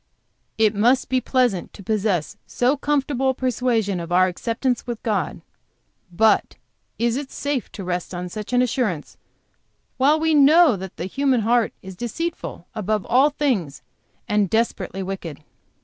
It must be pleasant to possess so comfortable a persuasion of our acceptance with God; but is it safe to rest on such an assurance while we know that the human heart is deceitful above all things and desperately wicked?"